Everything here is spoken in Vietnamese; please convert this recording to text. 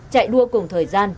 chạy đua cùng thời gian